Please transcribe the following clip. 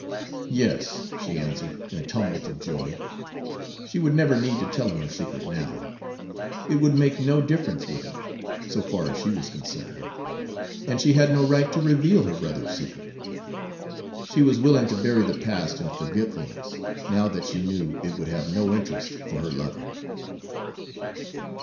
"Yes," she answered, in a tumult of joy. She would never need to tell him her secret now. It would make no difference with him, so far as she was concerned; and she had no right to reveal her brother's secret. She was willing to bury the past in forgetfulness, now that she knew it would have no interest for her lover.